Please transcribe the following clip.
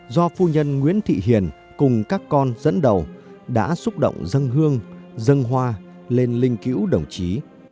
do phu nhân nguyễn thị hiền cùng các con dẫn đầu đã xúc động dân hương dân hoa lên linh cữu đồng chí